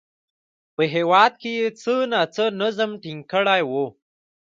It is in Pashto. په هېواد کې یې څه ناڅه نظم ټینګ کړی و